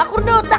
aku udah otak